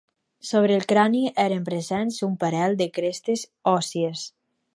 Sobre el crani eren presents un parell de crestes òssies.